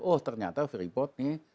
oh ternyata freeport nih